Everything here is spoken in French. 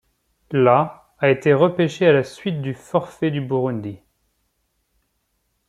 La a été repêchée à la suite du forfait du Burundi.